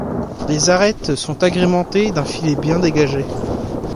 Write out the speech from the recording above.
Les arêtes sont agrémentées d'un filet bien dégagé.